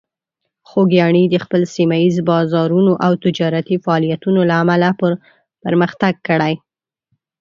خوږیاڼي د خپل سیمه ییز بازارونو او تجارتي فعالیتونو له امله پرمختګ کړی.